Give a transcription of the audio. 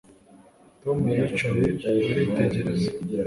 Tom yicaye aritegereza